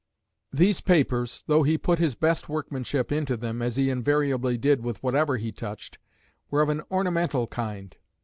These papers, though he put his best workmanship into them, as he invariably did with whatever he touched, were of an ornamental kind.